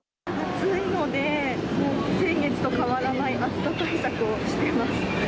暑いので、先月と変わらない暑さ対策をしています。